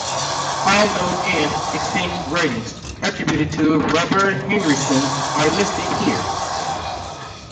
All known and extant writings attributed to Robert Henryson are listed here.